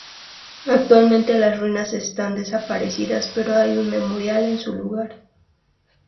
Actualmente las ruinas están desaparecidas, pero hay un memorial en su lugar.